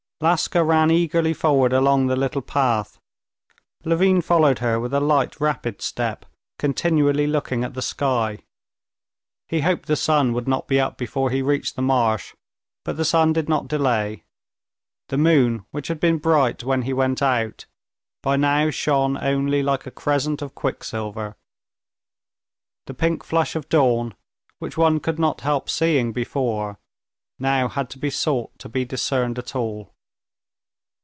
Laska ran eagerly forward along the little path. Levin followed her with a light, rapid step, continually looking at the sky. He hoped the sun would not be up before he reached the marsh. But the sun did not delay. The moon, which had been bright when he went out, by now shone only like a crescent of quicksilver. The pink flush of dawn, which one could not help seeing before, now had to be sought to be discerned at all.